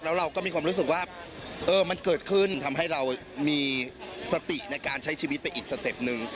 แล้วเราก็มีความรู้สึกว่ามันเกิดขึ้นทำให้เรามีสติในการใช้ชีวิตไปอีกสเต็ปหนึ่ง